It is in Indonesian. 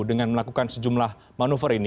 dengan melakukan sejumlah manuver ini